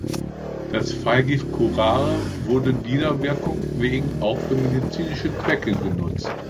Das Pfeilgift Curare wurde dieser Wirkung wegen auch für medizinische Zwecke genutzt.